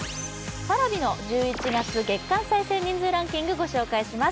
Ｐａｒａｖｉの１１月月間再生人数ランキングをご紹介します。